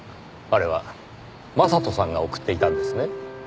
あれは将人さんが送っていたんですね？